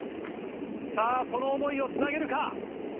さぁその思いをつなげるか？